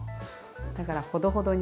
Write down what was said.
だからほどほどに。